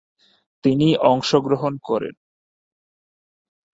তিনি অংশগ্রহণ করেন।